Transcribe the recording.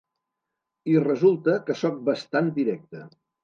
I resulta que sóc bastant directe.